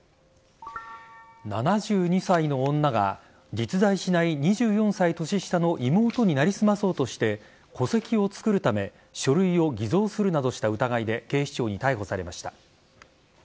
７２歳の女が実在しない２４歳年下の妹に成り済まそうとして戸籍を作るため書類を偽造するなどした疑いで警視庁に逮捕されました。